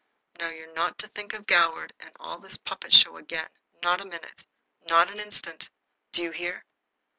Now, you're not to think of Goward and all this puppet show again. Not a minute. Not an instant. Do you hear?"